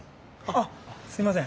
あっすいません